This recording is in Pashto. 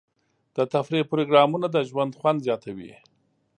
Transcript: د تفریح پروګرامونه د ژوند خوند زیاتوي.